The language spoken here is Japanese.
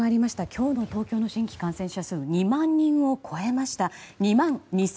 今日の東京の新規感染者数は２万人を超えました。